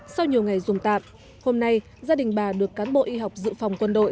sau nhiều ngày dùng tạm hôm nay gia đình bà được cán bộ y học dự phòng quân đội